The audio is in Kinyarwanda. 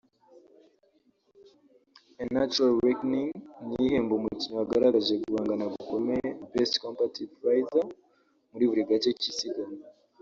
A Natural Reawakening” ni yo ihemba umukinnyi wagaragaje guhangana gukomeye (best combative rider) muri buri gace k’isiganwa